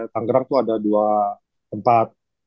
tanggerang itu ada dua tempat